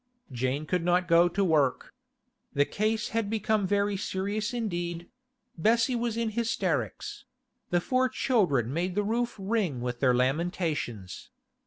Jane could not go to work. The case had become very serious indeed; Bessie was in hysterics; the four children made the roof ring with their lamentations.